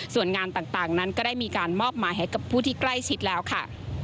ส่วนงานต่างนั้นก็ได้มีการมอบหมายให้กับผู้ที่ใกล้ชิดแล้วค่ะ